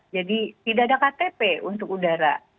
jadi tidak ada ktp untuk udara